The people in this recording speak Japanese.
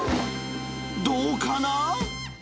どうかな？